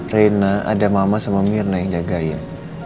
reina ada mama sama mirna yang jagain